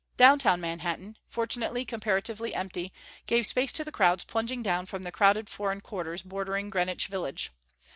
Downtown Manhattan, fortunately comparatively empty, gave space to the crowds plunging down from the crowded foreign quarters bordering Greenwich Village.